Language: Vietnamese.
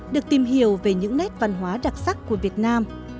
được tìm hiểu về những nét văn hóa đặc sắc của việt nam